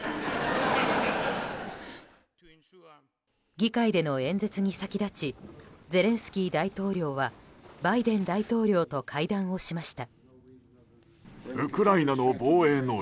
議会での演説に先立ちゼレンスキー大統領はバイデン大統領と会談をしました。